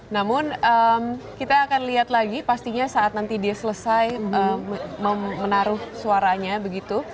namun kita akan lihat lagi pastinya saat nanti dia selesai menaruh suaranya begitu